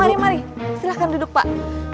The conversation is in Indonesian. mari mari silahkan duduk pak